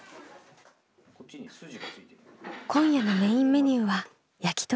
今夜のメインメニューは焼き鳥。